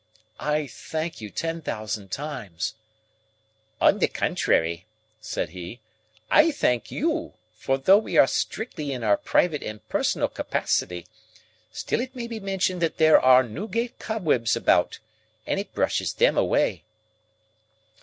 "I thank you ten thousand times." "On the contrary," said he, "I thank you, for though we are strictly in our private and personal capacity, still it may be mentioned that there are Newgate cobwebs about, and it brushes them away."